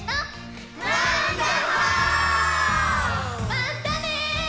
まったね！